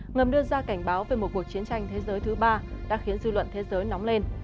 ngầm đưa ra cảnh báo về một cuộc chiến tranh thế giới thứ ba đã khiến dư luận thế giới nóng lên